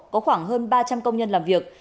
có khoảng hơn ba trăm linh công nhân làm việc